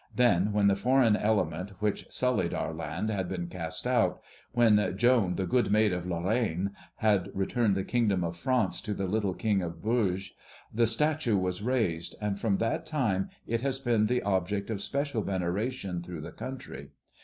Then, when the foreign element which sullied our land had been cast out, when "Joan, the good maid of Lorraine," had returned the kingdom of France to the little king of Bourges, the statue was raised, and from that time it has been the object of special veneration through the country.